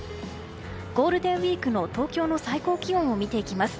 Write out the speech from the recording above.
ゴールデンウィークの東京の最高気温を見ていきます。